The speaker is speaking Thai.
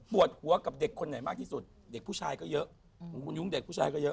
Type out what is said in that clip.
หัวกับเด็กคนไหนมากที่สุดเด็กผู้ชายก็เยอะของคุณยุ้งเด็กผู้ชายก็เยอะ